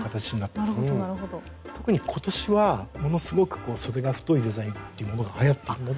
特に今年はものすごくそでが太いデザインっていうものがはやっているので。